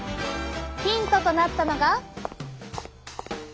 ヒントとなったのが。